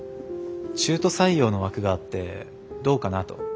中途採用の枠があってどうかなと。